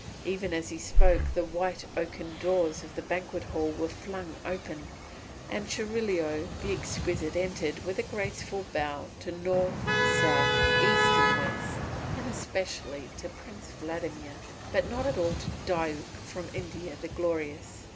Even as he spoke the white oaken doors of the banquet hall were flung open, and Churilo the Exquisite entered with a graceful bow to North, South, East, and West, and especially to Prince Vladimir, but not at all to Diuk from India the Glorious.